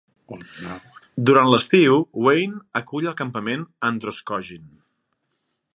Durant l'estiu, Wayne acull el Campament Androscoggin.